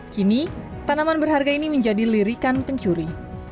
kini tanaman berharga ini menjadi lirikan pencuri